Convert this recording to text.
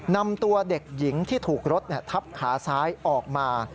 นำตัวเด็กหญิงที่ถูกรถทับขาซ้ายออกมา